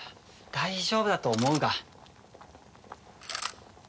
大丈夫だと思うが。